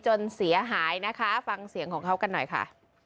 จนเสียหายนะคะฟังเสียงของเขากันหน่อยค่ะ